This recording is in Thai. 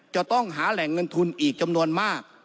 จะต้องหาแหล่งเงินทุนอีกจำนวนมาก